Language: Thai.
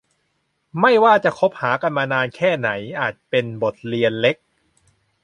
ไม่ว่าจะคบหากันมานานแค่ไหนอาจเป็นบทเรียนเล็ก